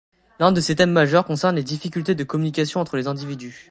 L'un de ses thèmes majeurs concerne les difficultés de communication entre les individus.